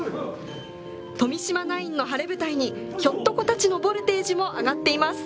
富島ナインの晴れ舞台にひょっとこたちのボルテージも上がっています。